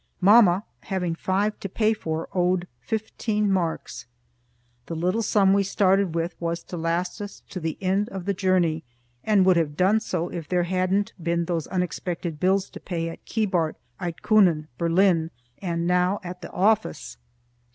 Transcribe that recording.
Mamma, having five to pay for, owed fifteen marcs. The little sum we started with was to last us to the end of the journey, and would have done so if there hadn't been those unexpected bills to pay at Keebart, Eidtkunen, Berlin, and now at the office.